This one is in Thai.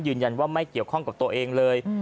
ยืนยันว่าไม่เกี่ยวข้องกับตัวเองเลย